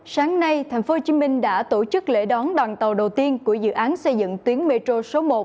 sáng nay tp hcm đã tổ chức lễ đón đoàn tàu đầu tiên của dự án xây dựng tuyến metro số một